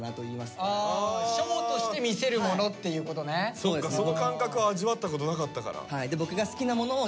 そっかその感覚を味わったことなかったから。